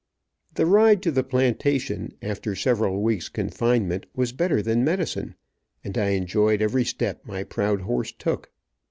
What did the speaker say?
The ride to the plantation, after several weeks confinement, was better than medicine, and I enjoyed every step my proud horse took.